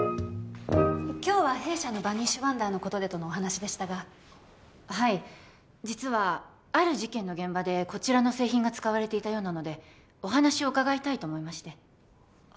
今日は弊社のバニッシュワンダーのことでとのお話でしたがはい実はある事件の現場でこちらの製品が使われていたようなのでお話を伺いたいと思いましてあ